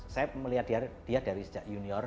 saya melihat dia dari sejak junior